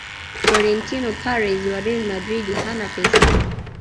frorentino perez wa real madrid hana pesa